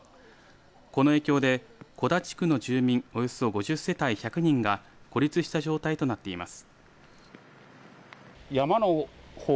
この影響で小田地区の住民およそ５０世帯１００人が孤立した状態となっています。